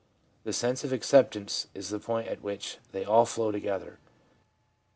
The sense of acceptance is the point at which they all flow together.